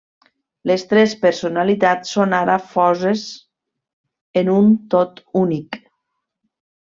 Les tres personalitats són ara foses en un tot únic.